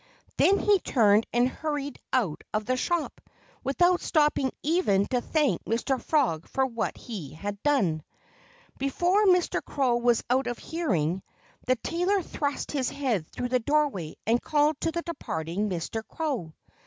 Then he turned and hurried out of the shop, without stopping even to thank Mr. Frog for what he had done. Before Mr. Crow was out of hearing, the tailor thrust his head through the doorway and called to the departing Mr. Crow.